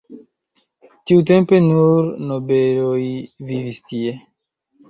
Tiutempe nur nobeloj vivis tie.